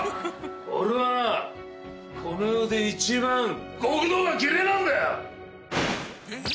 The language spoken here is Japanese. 俺はなこの世で一番「ごくどう」がきれえなんだよ！